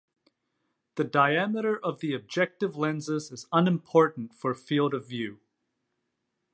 The diameter of the objective lenses is unimportant for field of view.